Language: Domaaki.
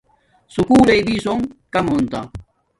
سکُول لݵ بسنگ کم ہونتا